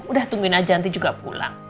udah tungguin aja nanti juga pulang